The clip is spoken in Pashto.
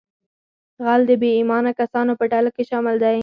غل د بې ایمانه کسانو په ډله کې شامل دی